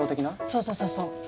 そうそうそうそう。